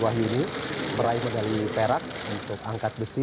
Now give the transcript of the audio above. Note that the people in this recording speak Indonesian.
pak ya ini seruah ini meraihnya dari perak untuk angkat besi